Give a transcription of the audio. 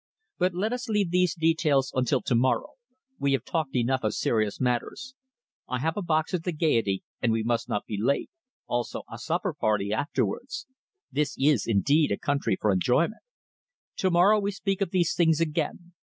But let us leave these details until to morrow. We have talked enough of serious matters. I have a box at the Gaiety, and we must not be late also a supper party afterwards. This is indeed a country for enjoyment. To morrow we speak of these things again.